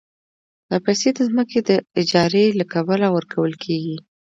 دا پیسې د ځمکې د اجارې له کبله ورکول کېږي